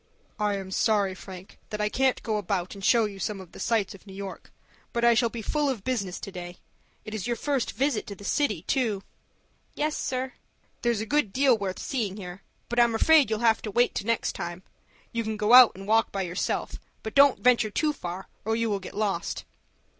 "I am sorry, Frank, that I can't go about, and show you some of the sights of New York, but I shall be full of business to day. It is your first visit to the city, too." "Yes, sir." "There's a good deal worth seeing here. But I'm afraid you'll have to wait to next time. You can go out and walk by yourself, but don't venture too far, or you will get lost."